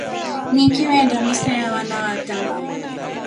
Nikiiwenda misa ya vana vata.